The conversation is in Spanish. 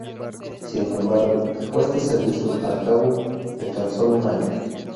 Sin embargo, dejó este servicio al cabo de tan solo un año.